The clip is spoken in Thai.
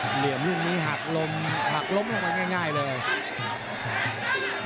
เหลี่ยมเรื่องนี้หักล้มหักล้มได้ง่ายเลย